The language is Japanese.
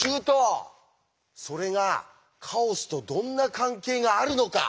それがカオスとどんな関係があるのか